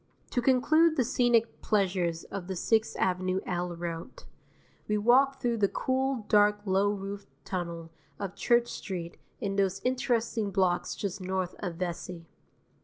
To conclude the scenic pleasures of the Sixth Avenue L route, we walk through the cool, dark, low roofed tunnel of Church Street in those interesting blocks just north of Vesey.